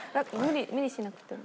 無理しなくても。